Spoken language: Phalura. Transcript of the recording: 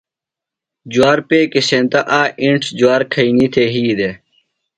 جوار پیکیۡ سینتہ آ اِنڇ جُوار کھئینی تھےۡ یھی دےۡ۔